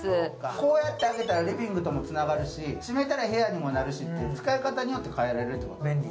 こうやって開けたらリビングともつながるし、閉めたら部屋にもなるしという、使い方によって変えられる。